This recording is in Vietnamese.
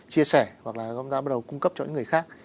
chia sẻ hoặc là bắt đầu cung cấp cho những người khác